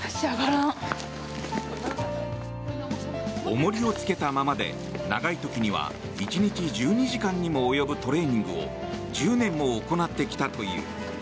重りをつけたままで長い時には１日１２時間にも及ぶトレーニングを１０年も行ってきたという。